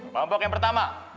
kelompok yang pertama